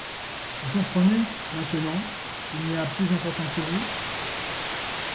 Vous comprenez, maintenant, qu’il y a plus important que vous ?